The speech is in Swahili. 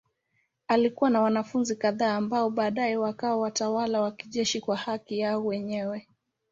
Alikuwa na wanafunzi kadhaa ambao baadaye wakawa watawala wa kijeshi kwa haki yao wenyewe.